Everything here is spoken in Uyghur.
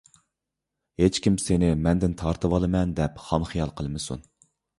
ھېچكىم سېنى مەندىن تارتىۋالىمەن دەپ خام خىيال قىلمىسۇن!